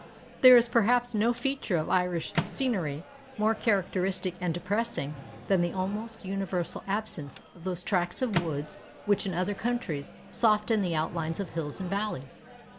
There is perhaps no feature of Irish scenery more characteristic and depressing than the almost universal absence of those tracts of woods which in other countries soften the outlines of hills and valleys.